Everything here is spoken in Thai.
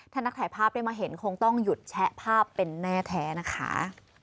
ถ้านักถ่ายภาพได้มาเห็นคงต้องหยุดแชะภาพเป็นแน่แท้นะคะ